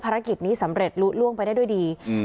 ภารกิจนี้สำเร็จลุล่วงไปได้ด้วยดีอืม